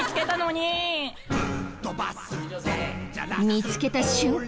見つけた瞬間